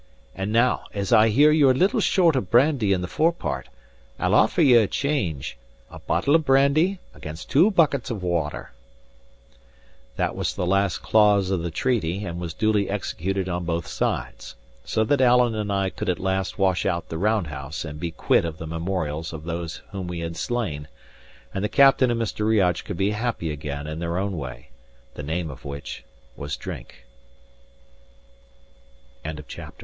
And now, as I hear you're a little short of brandy in the fore part, I'll offer ye a change: a bottle of brandy against two buckets of water." That was the last clause of the treaty, and was duly executed on both sides; so that Alan and I could at last wash out the round house and be quit of the memorials of those whom we had slain, and the captain and Mr. Riach could be happy again in their own way, the name of wh